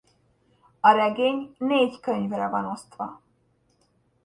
A regény négy könyvre van osztva.